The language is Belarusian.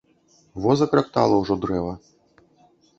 Во закрактала ўжо дрэва.